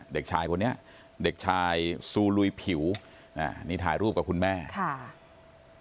เด็กชายคนนี้เด็กชายซูลุยผิวอ่านี่ถ่ายรูปกับคุณแม่ค่ะ